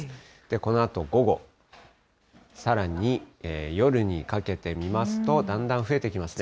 このあと午後、さらに夜にかけて見ますと、だんだん増えてきますね。